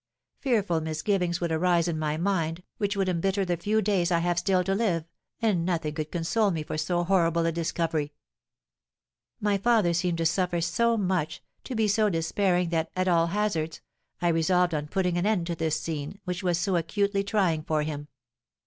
Fearful misgivings would arise in my mind, which would embitter the few days I have still to live, and nothing could console me for so horrible a discovery.' "My father seemed to suffer so much, to be so despairing that, at all hazards, I resolved on putting an end to this scene, which was so acutely trying for him.